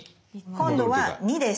今度は２です。